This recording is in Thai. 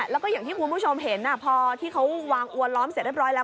แล้วก็อย่างที่คุณผู้ชมเห็นพอที่เขาวางอวนล้อมเสร็จเรียบร้อยแล้ว